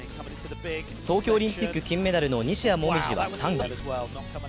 東京オリンピック金メダルの西矢椛は３位。